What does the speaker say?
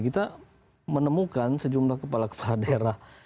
kita menemukan sejumlah kepala kepala daerah